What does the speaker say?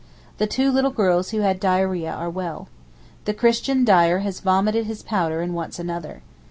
The two little girls who had diarrhœa are well. The Christian dyer has vomited his powder and wants another.